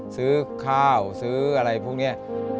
ซื้อข้าวซื้ออะไรพวกนี้